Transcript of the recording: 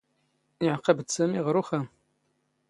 ⵉⵄⵇⴱ ⴷ ⵙⴰⵎⵉ ⵖⵔ ⵓⵅⵅⴰⵎ.